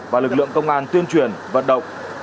và lực lượng công an tuyên truyền vận động